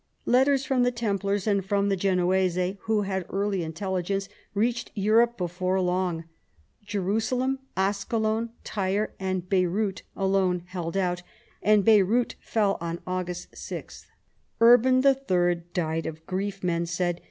Letters from the Templars and from the Genoese, who had early intelligence, reached Europe before long. Jerusalem, Ascalon, Tyre, and Beyrout alone held out, and Beyrout fell on August 6. Urban III. died of grief, men said.